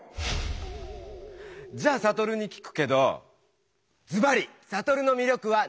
じゃあサトルに聞くけどズバリサトルのみりょくは何？